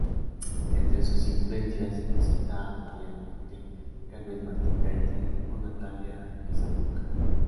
Entre sus influencias, cita a Ana María Matute, Carmen Martín Gaite o Natalia Ginzburg.